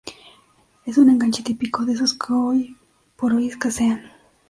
Es un enganche típico, de esos que hoy por hoy escasean.